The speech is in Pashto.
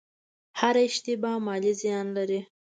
هره اشتباه مالي زیان لري.